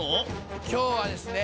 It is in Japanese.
今日はですね